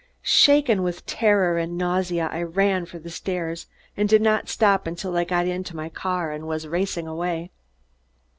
Shaken with terror and nausea, I ran for the stairs and did not stop until I got into my car and was racing away.